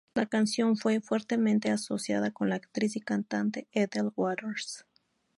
La canción esta fuertemente asociada con la actriz y cantante Ethel Waters.